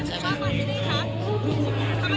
จะมีการพิพากษ์ก่อนก็มีเอ็กซ์สุขก่อนนะคะ